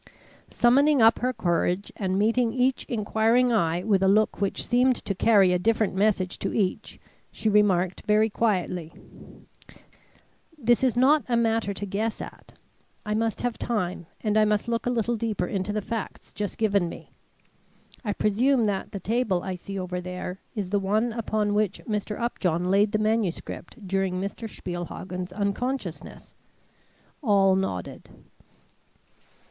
Summoning up her courage and meeting each inquiring eye with a look which seemed to carry a different message to each, she remarked very quietly: "This is not a matter to guess at. I must have time and I must look a little deeper into the facts just given me. I presume that the table I see over there is the one upon which Mr. Upjohn laid the manuscript during Mr. Spielhagen's unconsciousness." All nodded.